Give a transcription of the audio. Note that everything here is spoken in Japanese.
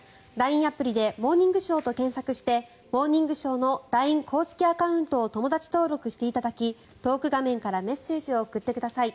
アプリで「モーニングショー」と検索をして「モーニングショー」のＬＩＮＥ公式アカウントを友だち登録していただきトーク画面からメッセージを送ってください。